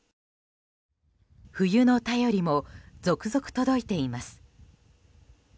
冬の便りも続々届いています。